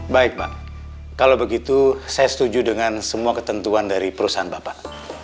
baik pak kalau begitu saya setuju dengan semua ketentuan dari perusahaan bapak